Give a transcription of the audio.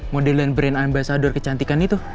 model brand ambasador kecantikan itu